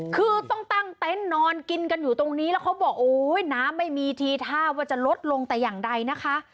คือต้องตั้งเต็นต์นอนกินกันอยู่ตรงนี้แล้วเขาบอกโอ้ยน้ำไม่มีทีท่าว่าจะลดลงแต่อย่างใดนะคะ